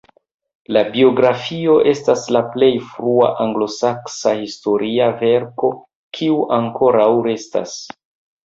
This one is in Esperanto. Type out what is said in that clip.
La biografio estas la plej frua anglosaksa historia verko kiu ankoraŭ restas.